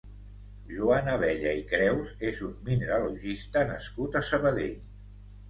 Joan Abella i Creus és un mineralogista nascut a Sabadell.